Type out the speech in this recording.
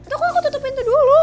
tuh kok aku tutup pintu dulu